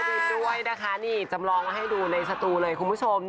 นี่ของพี่ป้องประวิษย์ด้วยนะคะนี่จำลองมาให้ดูในสตูเลยคุณผู้ชม